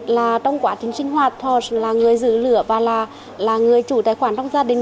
là trong quá trình sinh hoạt họ là người giữ lửa và là người chủ tài khoản trong gia đình